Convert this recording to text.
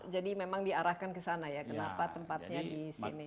jadi memang diarahkan ke sana ya kenapa tempatnya di sini